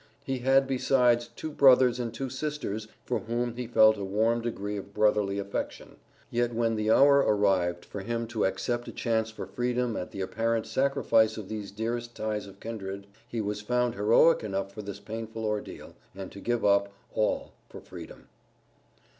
He had besides two brothers and two sisters for whom he felt a warm degree of brotherly affection; yet when the hour arrived for him to accept a chance for freedom at the apparent sacrifice of these dearest ties of kindred, he was found heroic enough for this painful ordeal, and to give up all for freedom.